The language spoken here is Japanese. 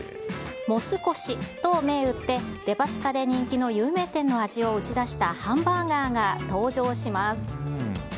モス越と銘打って、デパ地下で人気の有名店の味を打ち出したハンバーガーが登場します。